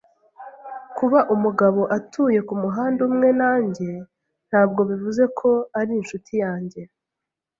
Kuba umugabo atuye kumuhanda umwe nanjye ntabwo bivuze ko ari inshuti yanjye.